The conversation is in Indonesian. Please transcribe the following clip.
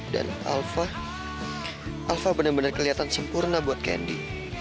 dan alva alva benar benar kelihatan sempurna buat candy